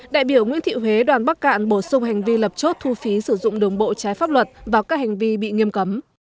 đại biểu nguyễn thị huế đoàn bắc cạn bổ sung hành vi lập chốt thu phí sử dụng đường bộ trái pháp luật vào các hành vi bị nghiêm cấm